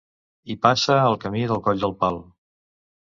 Hi passa el Camí del Coll del Pal.